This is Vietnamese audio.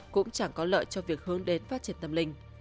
cũng chẳng có lợi cho việc hướng đến phát triển tâm linh